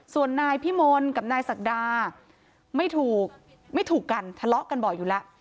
ส่วนนายพิมลกับนายศักดาไม่ถูกไม่ถูกกันทะเลาะกันบ่อยอยู่แล้ว